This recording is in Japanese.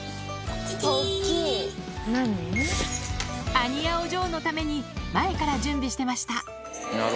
アニヤお嬢のために、前から準備してました。